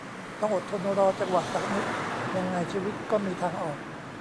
ต้องอดทนรอจังหวะสักนิดยังไงชีวิตก็มีทางออก